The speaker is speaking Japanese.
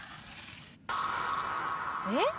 えっ？